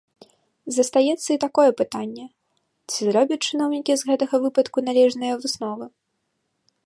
Застаецца і такое пытанне, ці зробяць чыноўнікі з гэтага выпадку належныя высновы.